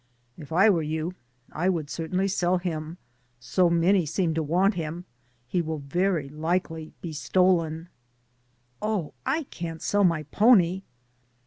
"If I were 3^ou, I would certainly sell him, so many seem to want him. He will very likely be stolen." "Oh, I can't sell my pony."